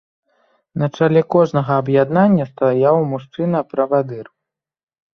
На чале кожнага аб'яднання стаяў мужчына-правадыр.